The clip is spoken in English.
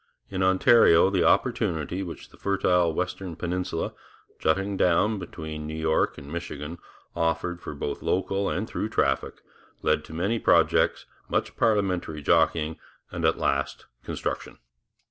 In Ontario the opportunity which the fertile western peninsula, jutting down between New York and Michigan, offered for both local and through traffic, led to many projects, much parliamentary jockeying, and at last construction.